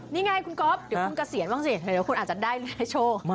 นี่ไงคุณก๊อฟเดี๋ยวคุณเกษียณบ้างสิเดี๋ยวคุณอาจจะได้โชค